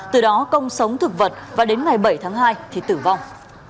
từ đó công sống thực vật và đến ngày bảy tháng hai thì tử vong